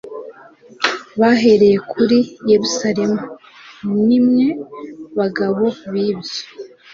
bahereye kuri Yerusalemu, ni mwe bagabo b' ibyo."